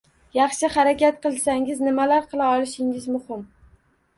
Yaxshi harakat qilsangiz nimalar qila olishingiz muhim.